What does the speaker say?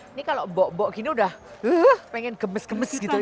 ini kalau mbok mbok gini udah pengen gemes gemes gitu